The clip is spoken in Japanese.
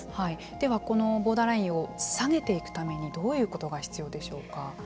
ではこのボーダーラインを下げていくためにどういうことが必要でしょうか。